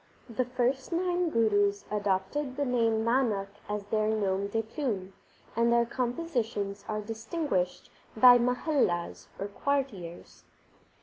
The first nine Gurus adopted the name Nanak as their nom de plume, and their compositions are distinguished by Mahallas or quartiers.